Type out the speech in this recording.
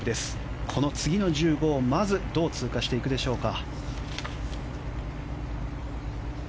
この次の１５を、まずどう通過していくでしょうか。